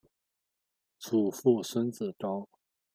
祖父孙子高。